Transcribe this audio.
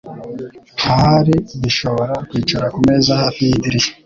Ahari dushobora kwicara kumeza hafi yidirishya.